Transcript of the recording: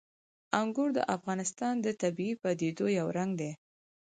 انګور د افغانستان د طبیعي پدیدو یو رنګ دی.